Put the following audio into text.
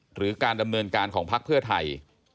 หรือการดำเนินการของพักเพื่อไทย